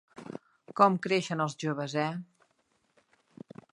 Com creixen els joves, eh?